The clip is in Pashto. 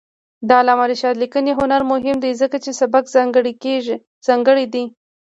د علامه رشاد لیکنی هنر مهم دی ځکه چې سبک ځانګړی دی.